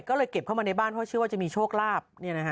ก็เลยเก็บเข้ามาในบ้านเพราะเชื่อว่าจะมีโชคลาภ